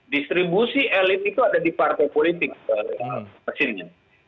distribusi elit itu ada di partai politik hasilnya